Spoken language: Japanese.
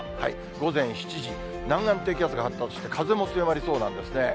午前７時、南岸低気圧が発達して、風も強まりそうなんですね。